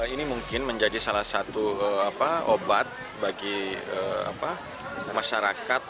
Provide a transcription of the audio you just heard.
ini mungkin menjadi salah satu obat bagi masyarakat